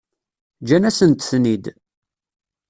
Ǧǧan-asent-ten-id.